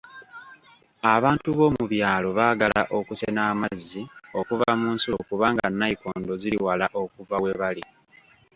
Abantu b'omu byalo baagala okusena amazzi okuva mu nsulo kubanga nayikondo ziri wala okuva we bali.